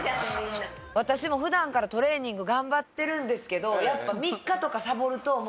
私も普段からトレーニング頑張ってるんですけどやっぱ。